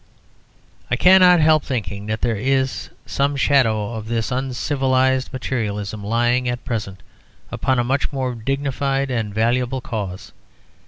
I cannot help thinking that there is some shadow of this uncivilised materialism lying at present upon a much more dignified and valuable cause.